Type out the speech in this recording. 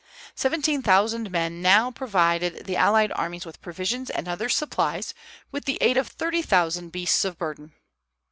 Seventeen thousand men now provided the allied armies with provisions and other supplies, with the aid of thirty thousand beasts of burden.